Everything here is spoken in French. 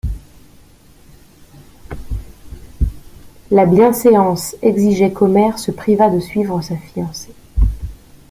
La bienséance exigeait qu'Omer se privât de suivre sa fiancée.